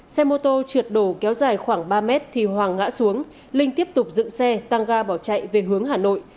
xe mô tô trượt đổ kéo dài khoảng ba mét thì hoàng ngã xuống linh tiếp tục dựng xe tăng ga bỏ chạy về hướng hà nội